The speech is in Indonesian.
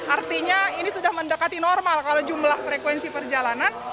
artinya ini sudah mendekati normal kalau jumlah frekuensi perjalanan